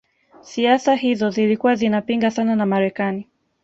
siasa hizo zilikuwa zinaipinga sana na Marekani